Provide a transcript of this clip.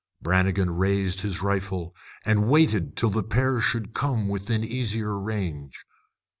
Brannigan raised his rifle and waited till the pair should come within easier range.